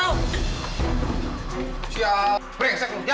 jangan brengsek lu ya